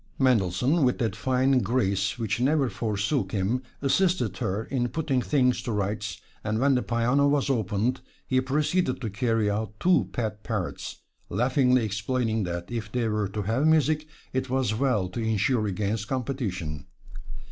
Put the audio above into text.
Mendelssohn, with that fine grace which never forsook him, assisted her in putting things to rights, and when the piano was opened, he proceeded to carry out two pet parrots, laughingly explaining that if they were to have music, it was well to insure against competition.